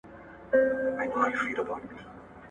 د ژوند لوړوالی یوازي په موروثي پوهي پوري نه تړل کېږي.